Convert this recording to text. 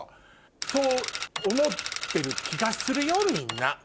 そう思ってる気がするよみんな。